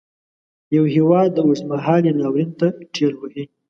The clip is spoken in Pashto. یو هیواد اوږد مهالي ناورین ته ټېل وهي.